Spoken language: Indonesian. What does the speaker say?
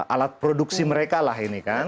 alat produksi mereka lah ini kan